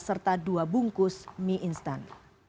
serta dua bungkus mie instan